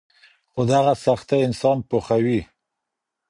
خو دغه سختۍ انسان پوخوي.